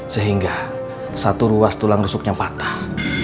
sehingga satu ruas tulang rusuknya patah